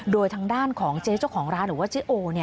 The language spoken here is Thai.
โดยทางด้านของเจ๊เจ้าของร้านหรือว่าเจ๊โอ